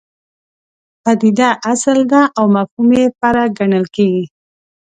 پدیده اصل ده او مفهوم یې فرع ګڼل کېږي.